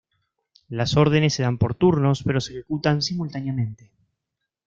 Las órdenes se dan por turnos pero se ejecutan simultáneamente.